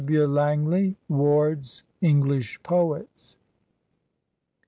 ... W. Langley, '' Ward's English Poets.''